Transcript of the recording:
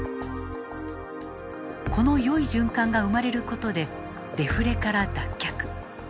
このよい循環が生まれることでデフレから脱却。